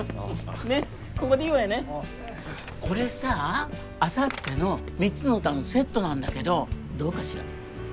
これさああさっての「三つの歌」のセットなんだけどどうかしら？